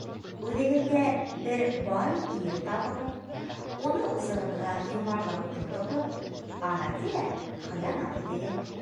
Үҙегеҙгә бер бай ир табығыҙ, уны усығыҙға йомарлап тотоғоҙ, ара-тирә хыянат итегеҙ.